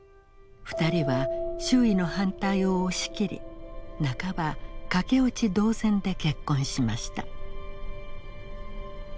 ２人は周囲の反対を押し切り半ば駆け落ち同然で結婚しました。